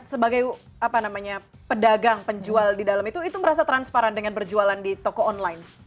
sebagai apa namanya pedagang penjual di dalam itu itu merasa transparan dengan berjualan di toko online